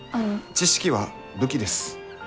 知識は武器です。